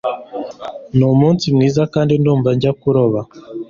Numunsi mwiza kandi ndumva njya kuroba.